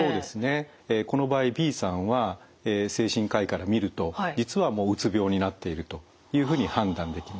この場合Ｂさんは精神科医から見ると実はもううつ病になっているというふうに判断できます。